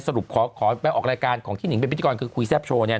ขอไปออกรายการของที่หิงเป็นพิธีกรคือคุยแซ่บโชว์เนี่ย